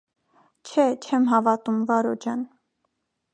- Չէ, չեմ հավատում, Վարո ջան.